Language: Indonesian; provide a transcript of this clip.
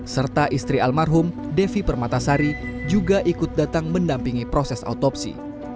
serta istri almarhum devi permatasari juga ikut datang mendampingi proses autopsi